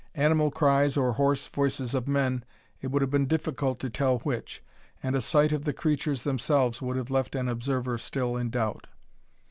Animal cries or hoarse voices of men it would have been difficult to tell which. And a sight of the creatures themselves would have left an observer still in doubt.